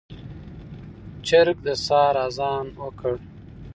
چرګ د سحر اذان وکړ.